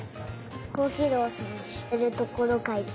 ほうきでおそうじしてるところかいた。